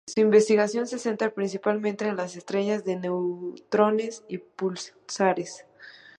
Su investigación se centra principalmente en las estrellas de neutrones y púlsares.